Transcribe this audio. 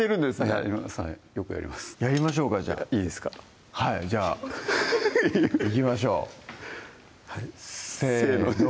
はいよくやりますやりましょうかじゃあいいですかはいじゃあいきましょうせーの